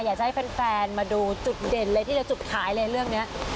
อยากจะให้แฟนมาดูจุดเด่นเลยที่จะจุดขายเลยเรื่องนี้